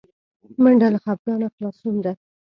منډه له خپګانه خلاصون ده